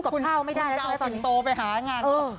คุณเป็นไค่โตไปหางาน